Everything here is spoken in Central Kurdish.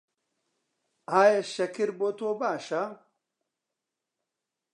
ئایا شەکر بۆ تۆ باشە؟